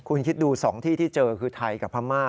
คุณคิดดู๒ที่ที่เจอคือไทยกับพม่า